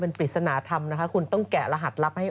เป็นปริศนาธรรมต้องแกะรหัสรับให้อ่อน